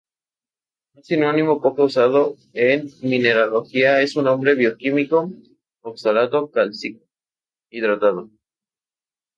Un sinónimo poco usado en mineralogía es su nombre bioquímico: "oxalato cálcico hidratado".